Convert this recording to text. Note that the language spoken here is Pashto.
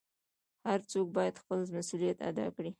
هر څوک بايد خپل مسؤليت ادا کړي .